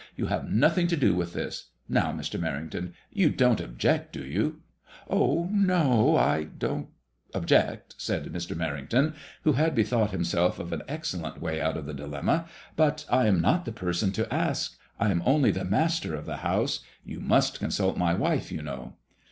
You have nothing to do with this. Now, Mr. Menington, you don't object, do you ?"" Oh, no ! I don't object," said Mr. Menington, who had bethought himself of an excellent way out of the dilemma. " But I am not the person to ask. I am only the master of the house. You must consult my wife, you know."